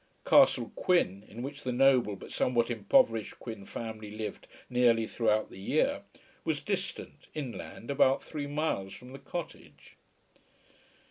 Castle Quin, in which the noble but somewhat impoverished Quin family lived nearly throughout the year, was distant, inland, about three miles from the cottage.